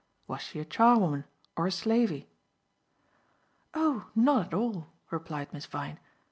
"Was she a charwoman or a slavey?" "Oh, not at all," replied Miss Vyne.